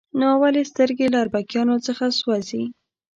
نو اول یې سترګې له اربکیانو څخه سوځي.